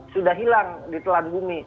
sudah hilang di telan bumi